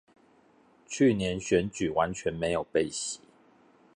去年選舉完全沒有被洗